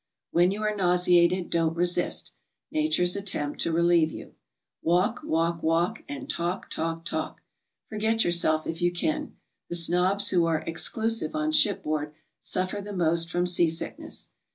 When you are nauseated, don't resist Nature's attempt to relieve you. Walk, walk, walk; and talk, talk, talk. Forget yourself if you can. The snobs who are "exclusive" on shipboard suffer the most from seasickness.